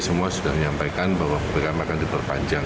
semua sudah menyampaikan bahwa ppkm akan diperpanjang